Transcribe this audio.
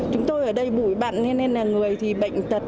chúng tôi ở đây bụi bặn thế nên là người thì bệnh tật